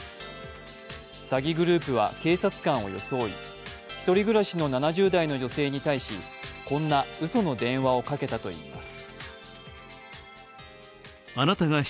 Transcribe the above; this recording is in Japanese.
詐欺グループは警察官を装い、１人暮らしの７０代の女性に対しこんなうその電話をかけたといいます。